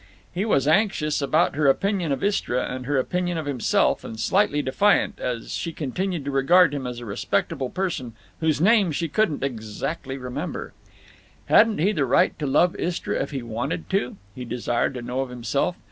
He was anxious about her opinion of Istra and her opinion of himself, and slightly defiant, as she continued to regard him as a respectable person whose name she couldn't exactly remember. Hadn't he the right to love Istra if he wanted to? he desired to know of himself.